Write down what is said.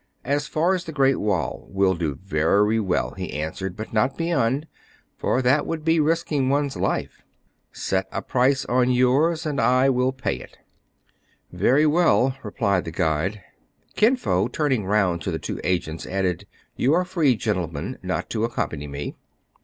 "As far as the Great Wall, will do very well," he answered, " but not beyond ; for that would be risking one's life." " Set a price on yours, and I will pay it" CRATG AND FRY SEE THE MOON RISE. 247 "Very well," replied the guide. Kin Fo, turning round to the two agents, added, — "You are free, gentlemen, not to accompany me."